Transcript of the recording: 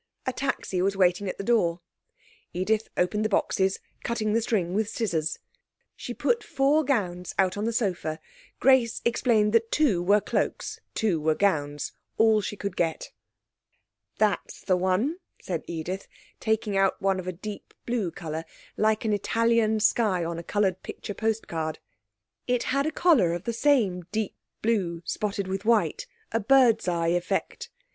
A taxi was waiting at the door. Edith opened the boxes, cutting the string with scissors. She put four gowns out on the sofa. Grace explained that two were cloaks, two were gowns all she could get. 'That's the one,' said Edith, taking out one of a deep blue colour, like an Italian sky on a coloured picture post card. It had a collar of the same deep blue, spotted with white a birdseye effect.